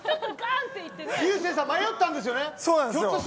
竜星さん迷ったんですよね。